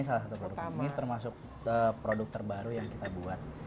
ini salah satu produk utama ini termasuk produk terbaru yang kita buat